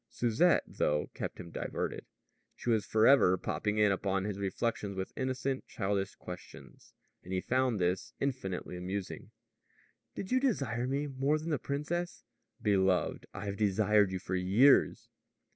Susette, though, kept him diverted. She was forever popping in upon his reflections with innocent, childish questions; and he found this infinitely amusing. "Did you desire me more than the princess?" "Beloved, I have desired you for years."